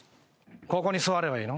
ここに座ればいいの？